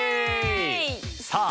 さあ